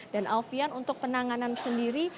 dan alfian untuk penanganan sendiri